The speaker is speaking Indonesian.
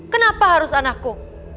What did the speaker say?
kenapa harus anakku